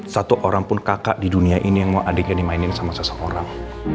satu orang pun kakak di dunia ini yang mau adiknya dimainin sama seseorang